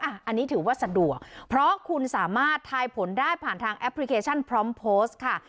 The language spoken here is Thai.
อันนี้ถือว่าสะดวกเพราะคุณสามารถทายผลได้ผ่านทางแอปพลิเคชันพร้อมโพสต์ค่ะ